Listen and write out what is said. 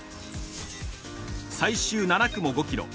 最終７区も５ｋｍ。